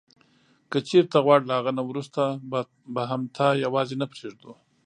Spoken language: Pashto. که چیري ته غواړې له هغه نه وروسته به هم تا یوازي نه پرېږدو.